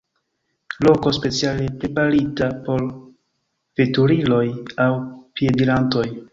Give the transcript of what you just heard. Loko speciale preparita por veturiloj aŭ piedirantoj.